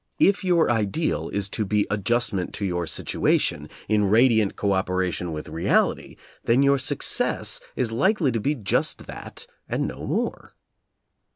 If your ideal is to be adjustment to your situation, in radiant co operation with reality, then your success is likely to be just that and no more.